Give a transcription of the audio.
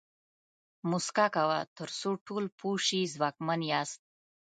موسکا کوه تر څو ټول پوه شي ځواکمن یاست.